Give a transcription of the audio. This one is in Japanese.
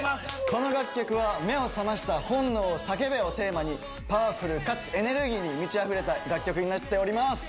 この楽曲は「目を覚ました本能を叫べ」をテーマにパワフルかつエネルギーに満ちあふれた楽曲になっております